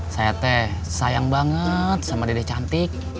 saya teh sayang banget sama dede cantik